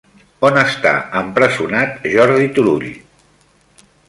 On està empresonat Jordi Turull?